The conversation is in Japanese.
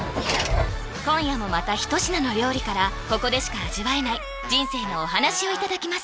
今夜もまた一品の料理からここでしか味わえない人生のお話をいただきます